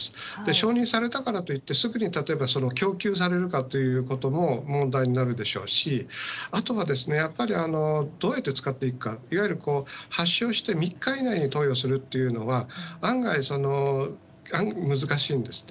承認されたからといって、すぐに例えば供給されるかということも問題になるでしょうし、あとは、やっぱり、どうやって使っていくか、いわゆる発症して３日以内に投与するっていうのは、案外、難しいんですね。